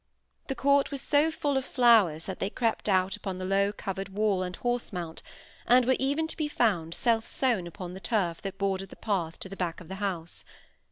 The court was so full of flowers that they crept out upon the low covered wall and horse mount, and were even to be found self sown upon the turf that bordered the path to the back of the house.